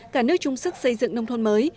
cả nước trung sức xây dựng nông thôn mới